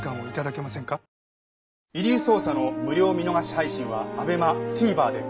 『遺留捜査』の無料見逃し配信はＡＢＥＭＡＴＶｅｒで。